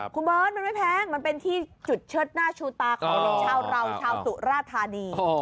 คุณเบิ้ลมันไม่แพงมันเป็นที่จุดเชิดหน้าชูตาความความช้าวลมช้าวสุราชธานี